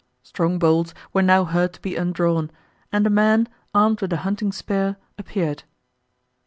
—Strong bolts were now heard to be undrawn, and a man, armed with a hunting spear, appeared.